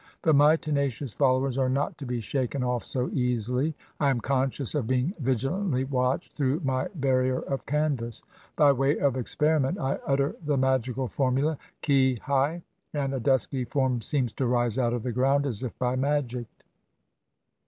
But my tenacious followers are not to be shaken off so easily. I am conscious of being vigi lantly watched through my barrier of canvas. Byway of experiment I utter the magical formula, "Qui hai?" and a dusky form seems to rise out of the ground as if by magic.